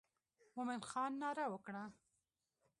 مومن خان ناره وکړه.